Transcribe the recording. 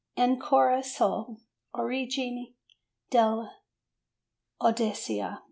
"Ancora sull' origine dell' Odissea."